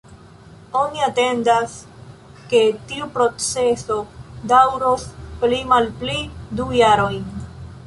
Oni atendas ke tiu proceso daŭros pli malpli du jarojn.